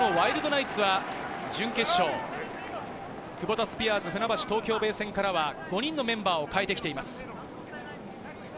ワイルドナイツは準決勝、クボタスピアーズ、船橋・東京ベイ戦からは５人のメンバーを代えてきています。